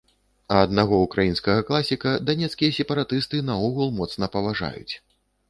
А аднаго ўкраінскага класіка данецкія сепаратысты наогул моцна паважаюць.